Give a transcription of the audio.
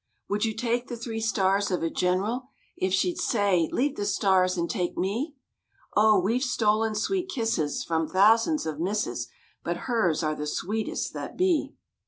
Would you take the three stars of a general If she'd say "Leave the stars and take me?" Oh! we've stolen sweet kisses from thousands of misses, But hers are the sweetest that be.